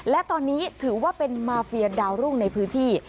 และตอนนี้ถือว่าเป็นมาเฟียดาวรุ่งในพื้นที่